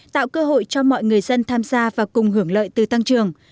tạo cơ hội cho mọi người dân tham gia và cùng hưởng lợi từ tăng trường